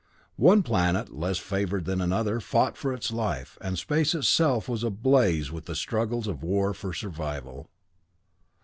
One planet, less favored than another, fought for its life, and space itself was ablaze with the struggles of wars for survival.